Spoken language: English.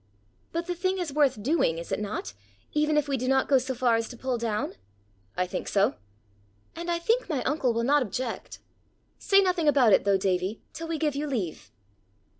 "But the thing is worth doing, is it not, even if we do not go so far as to pull down?" "I think so." "And I think my uncle will not object. Say nothing about it though, Davie, till we give you leave."